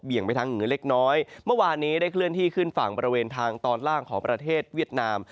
ไปทางเหนือเล็กน้อยเมื่อวานนี้ได้เคลื่อนที่ขึ้นฝั่งบริเวณทางตอนล่างของประเทศเวียดนาม